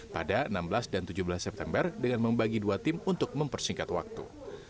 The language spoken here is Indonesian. pada enam belas dan tujuh belas september dengan membagi dua tim untuk mempersingkat waktu